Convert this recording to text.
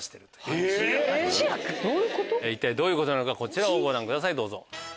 一体どういうことなのかこちらをご覧くださいどうぞ。